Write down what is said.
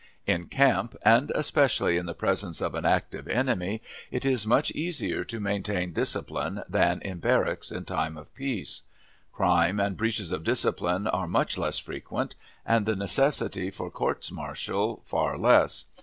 In camp, and especially in the presence of an active enemy, it is much easier to maintain discipline than in barracks in time of peace. Crime and breaches of discipline are much less frequent, and the necessity for courts martial far less.